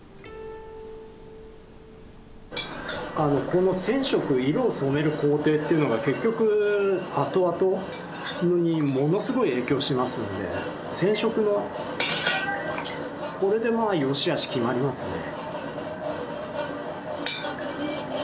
この染色色を染める工程っていうのが結局あとあとにものすごい影響しますので染色のこれでまあよしあし決まりますね。